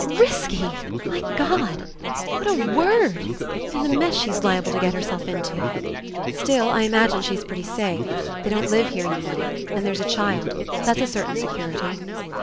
Risky! My God ! What a word ! And the mess she's liable to get herself Into !" "Still, I Imagine she's pretty safe. They don't live here, you know. And there's a child. That's a certain security."